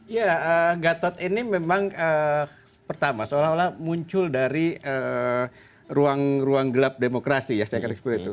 ya gatot ini memang pertama seolah olah muncul dari ruang gelap demokrasi ya saya kira seperti itu